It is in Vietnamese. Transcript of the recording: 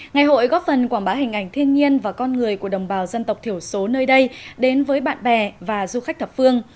ngày hội góp phần quảng bá hình ảnh thiên nhiên và con người của đồng bào dân tộc thiểu số nơi đây đến với bạn bè và du khách thập phương